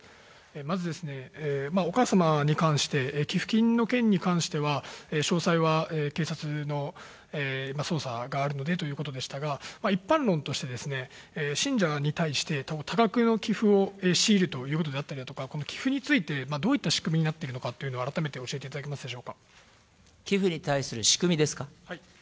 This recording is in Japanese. まずですね、お母様に関して、寄付金の件に関しては、詳細は警察の捜査があるのでということでしたが、一般論として、信者に対して、多額の寄付を強いるということであったりだとか、寄付についてどういった仕組みになっているのかといったことを改めて教えていた寄付に対する仕組みですか？